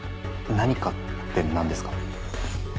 「何か」ってなんですか？